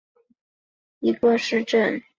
施魏根是德国巴伐利亚州的一个市镇。